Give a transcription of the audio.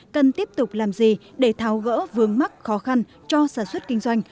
cần tiếp tục làm gì để tháo gỡ vướng mắc khó khăn cho sản xuất kinh doanh